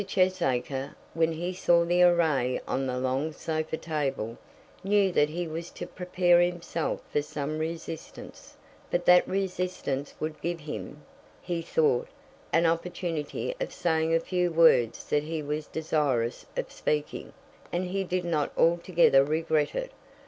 Cheesacre, when he saw the array on the long sofa table, knew that he was to prepare himself for some resistance; but that resistance would give him, he thought, an opportunity of saying a few words that he was desirous of speaking, and he did not altogether regret it.